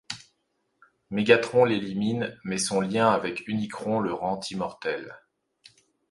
Mégatron l'élimine mais son lien avec Unicron le rend immortel.